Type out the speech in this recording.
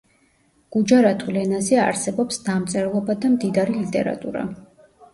გუჯარათულ ენაზე არსებობს დამწერლობა და მდიდარი ლიტერატურა.